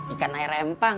ikan air empang